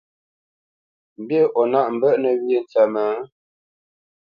Mbî o nâʼ mbə́ʼnə̄ wyê ntsə́mə́?